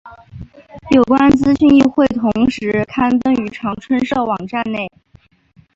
有关资讯亦会同时刊登于长春社网站内。